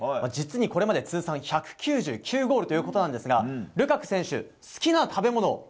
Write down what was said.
実にこれまで通算１９９ゴールということですがルカク選手、好きな食べ物。